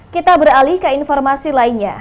kita beralih ke informasi lainnya